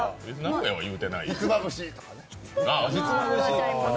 ひつまぶしとか。